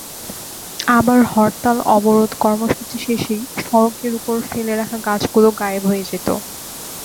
আবার হরতাল-অবরোধ কর্মসূচি শেষেই সড়কের ওপর ফেলে রাখা গাছগুলো গায়েব হয়ে যেত।